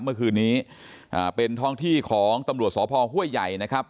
เมื่อคืนนี้เป็นท้องที่ของตำรวจสพห้วยใหญ่นะครับ